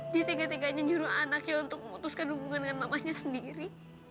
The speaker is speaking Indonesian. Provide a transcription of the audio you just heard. dia tegak tegaknya nyuruh anaknya untuk memutuskan hubungan dengan mamanya sendiri